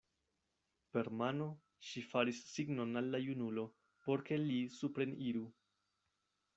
Per mano ŝi faris signon al la junulo, por ke li supreniru.